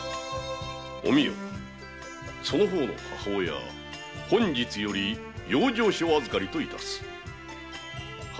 お美代その方の母親本日より養生所預かりといたす。